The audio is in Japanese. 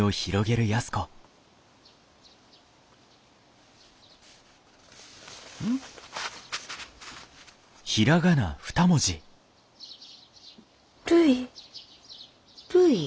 るい？